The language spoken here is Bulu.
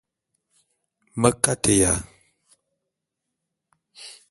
Me kateya.